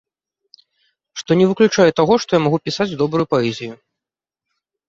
Што не выключае таго, што я магу пісаць добрую паэзію.